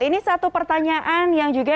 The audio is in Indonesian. ini satu pertanyaan yang juga